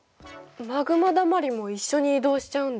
マグマだまりも一緒に移動しちゃうんだ。